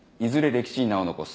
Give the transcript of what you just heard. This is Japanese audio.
歴史に名を残す。